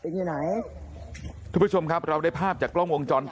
เพื่อชมครับเราได้ภาพจากกล้องวงจรปิดนะครับ